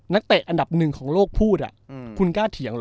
เตะอันดับหนึ่งของโลกพูดคุณกล้าเถียงเหรอ